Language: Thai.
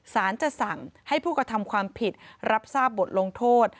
สารจะสั่งให้ผู้กระทำความผิดรับทราบบทลงโทษ